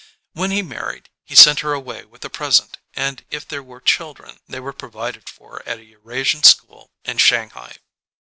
When he married he sent her away with a present and if there were children they were provided for at a Eurasian school in Shanghai.